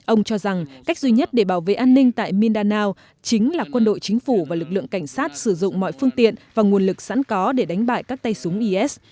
ông cho rằng cách duy nhất để bảo vệ an ninh tại mindanao chính là quân đội chính phủ và lực lượng cảnh sát sử dụng mọi phương tiện và nguồn lực sẵn có để đánh bại các tay súng is